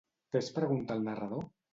Què es pregunta el narrador?